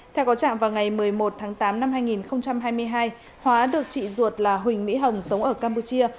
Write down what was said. theo có trạng vào ngày một mươi một tháng tám năm hai nghìn hai mươi hai hóa được chị ruột là huỳnh mỹ hồng sống ở campuchia